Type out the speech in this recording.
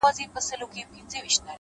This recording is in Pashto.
زما د زړه په هغه شين اسمان كي;